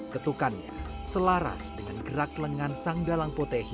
ketukannya selaras dengan gerak lengan sang dalang potehi